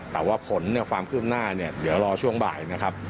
แต่ว่าผลเนี่ยความคืบหน้าเนี่ยเดี๋ยวรอช่วงบ่ายนะครับ